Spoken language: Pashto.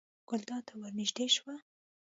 ګلداد ته ور نږدې شوه.